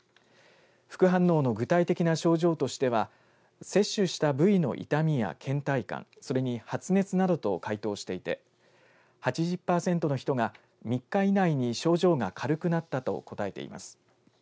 副反応の具体的な症状としては接種した部位の痛みやけん怠感、それに発熱などと回答していて８０％の人が、３日以内に症状が軽くなったと答えています。